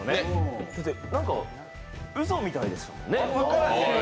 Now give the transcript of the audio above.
なんか、うそみたいですもんね。